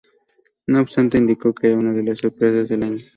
No obstante, indicó que era una de las sorpresas del año.